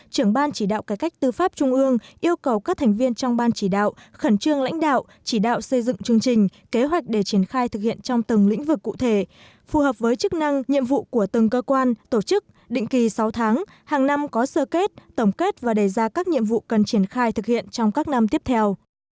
trưởng ban chỉ đạo cải cách tư pháp trung ương yêu cầu các thành viên trong ban chỉ đạo khẩn trương lãnh đạo chỉ đạo xây dựng chương trình kế hoạch để triển khai thực hiện trong từng lĩnh vực cụ thể phù hợp với chức năng nhiệm vụ của từng cơ quan tổ chức định kỳ sáu tháng hàng năm có sơ kết tổng kết và đề ra các nhiệm vụ cần triển khai thực hiện trong các năm tiếp theo